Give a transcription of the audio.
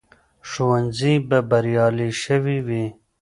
ښوونځي به بریالي شوي وي.